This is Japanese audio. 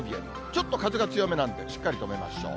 ちょっと風が強めなんで、しっかり留めましょう。